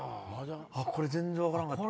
これ全然分からんかった。